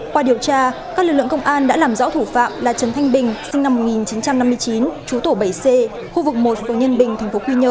qua điều tra các lực lượng công an đã làm rõ thủ phạm là trần thanh bình sinh năm một nghìn chín trăm năm mươi chín chú tổ bảy c khu vực một của nhân bình tp quy nhơn